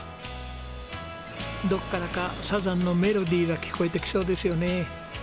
どこからかサザンのメロディーが聞こえてきそうですよね。